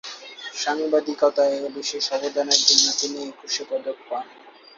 সাংবাদিকতায় বিশেষ অবদানের জন্য তিনি একুশে পদক পান।